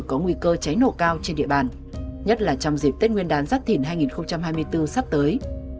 có nguy cơ cháy nổ cao trên địa bàn nhất là trong dịp tết nguyên đán giáp thìn hai nghìn hai mươi bốn sắp tới